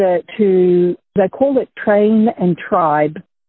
mereka menyebutnya tren dan tribe